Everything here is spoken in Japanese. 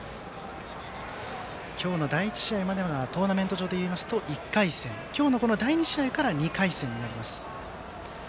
今日の第１試合まではトーナメント上でいいますと１回戦、今日の第２試合から２回戦となります。